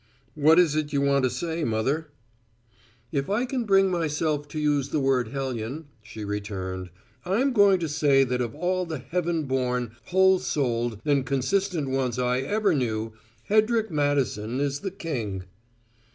"What is it you want to say, mother?" "If I can bring myself to use the word `hellion'," she returned, "I'm going to say that of all the heaven born, whole souled and consistent ones I ever knew Hedrick Madison is the King."